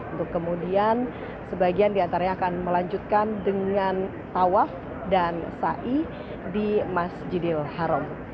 untuk kemudian sebagian diantaranya akan melanjutkan dengan tawaf dan ⁇ sai ⁇ di masjidil haram